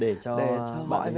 để cho bọn mình về